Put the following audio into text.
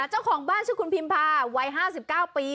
เจ้าของบ้านชื่อคุณพิมพาวัย๕๙ปี